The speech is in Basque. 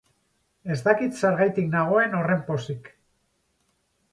Ez dakit zergatik nagoen horren pozik.